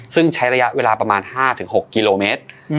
ซึ่งใช้ระยะเวลาประมาณ๕๖กิโลเมตร